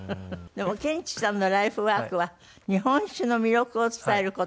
でもケンチさんのライフワークは日本酒の魅力を伝える事。